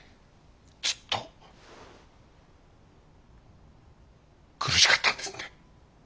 ずっと苦しかったんですね